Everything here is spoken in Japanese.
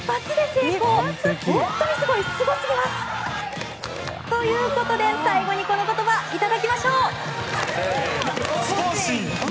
すごすぎます。ということで最後にこの言葉頂きましょう。